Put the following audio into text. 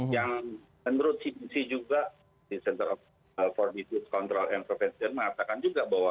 yang menurut cbc juga di center of for disease control and prevention mengatakan juga bahwa